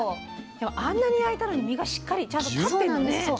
でもあんなに焼いたのに実がしっかりちゃんと立ってんのね。